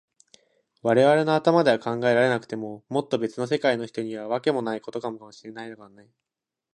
われわれの頭では考えられなくても、もっとべつの世界の人には、わけもないことかもしれないのだからね。